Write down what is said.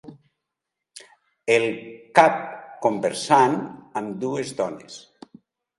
El cap conversant amb dues dones.